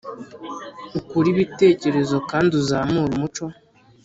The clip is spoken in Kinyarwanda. ukure ibitekerezo kandi uzamure umuco